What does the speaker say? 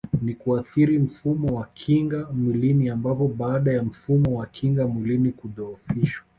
Ni kuathiri mfumo wa kinga mwilini ambapo baada ya mfumo wa kinga mwilini kudhohofishwa